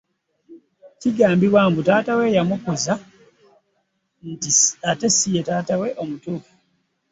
Kigambibwa okuba nti taata we eyamukuza nti ate siye taata we omutuufu.